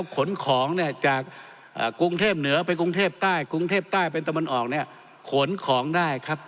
ขนของเนี่ยจากกรุงเทพเหนือไปกรุงเทพใต้กรุงเทพใต้เป็นตะวันออกเนี่ยขนของได้ครับ